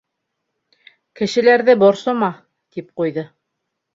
— Кешеләрҙе борсома, — тип ҡуйҙы.